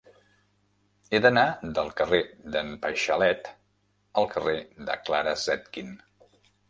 He d'anar del carrer d'en Paixalet al carrer de Clara Zetkin.